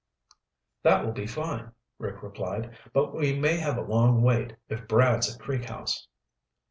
"That will be fine," Rick replied. "But we may have a long wait if Brad's at Creek House."